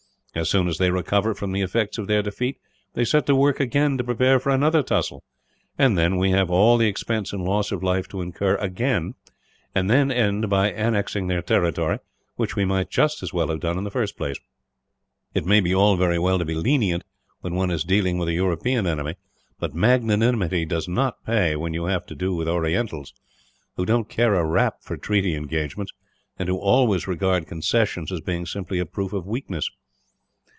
As soon as they recover from the effects of their defeat, they set to work again to prepare for another tussle; and then we have all the expense and loss of life to incur, again, and then end by annexing their territory, which we might just as well have done in the first place. It may be all very well to be lenient, when one is dealing with a European enemy; but magnanimity does not pay when you have to do with Orientals, who don't care a rap for treaty engagements, and who always regard concessions as being simply a proof of weakness.